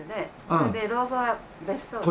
それで老後は別荘でって。